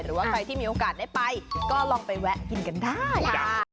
หรือว่าใครที่มีโอกาสได้ไปก็ลองไปแวะกินกันได้